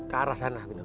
ke arah sana gitu